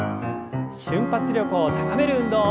瞬発力を高める運動。